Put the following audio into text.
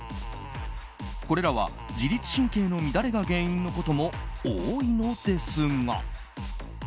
これらは自律神経の乱れが原因のことも多いのですが。